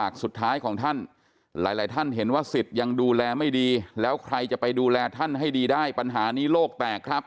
อันไซเมอร์เป็นธรรมดามันเป็นไปได้หมด